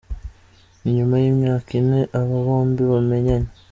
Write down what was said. Ni nyuma y’imyaka ine aba bombi bamenyanye.